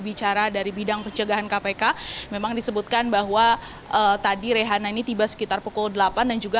bicara dari bidang pencegahan kpk memang disebutkan bahwa tadi rehana ini tiba sekitar pukul delapan dan juga